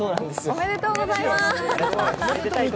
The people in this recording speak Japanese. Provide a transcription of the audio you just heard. おめでとうございます。